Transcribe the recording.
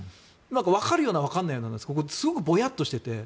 分かるような分からないようなすごくぼやっとしていて。